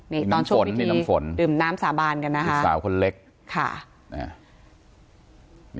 นี่ตอนชมวิธีดื่มน้ำสาบานกันนะครับ